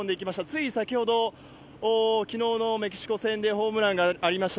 つい先ほど、きのうのメキシコ戦でホームランがありました